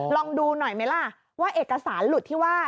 ลองดูหน่อยไหมล่ะว่าเอกสารหลุดที่ว่า